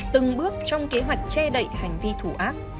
từng bước trong kế hoạch che đậy hành vi thủ ác